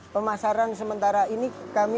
pemasaran sementara ini kami